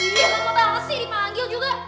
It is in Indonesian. ibu mau bales nih dipanggil juga